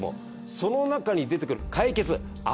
その中に出てくる怪傑味